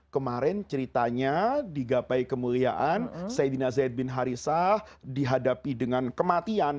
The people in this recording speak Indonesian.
kemarin ceritanya di gapai kemuliaan saidina zaid bin harithah dihadapi dengan kematian